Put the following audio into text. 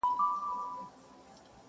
که پتنګ یې معسوقه شمع شیدا وي،